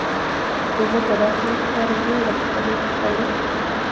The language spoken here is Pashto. ځکه دا خلک هر ځائے د خپلې خلې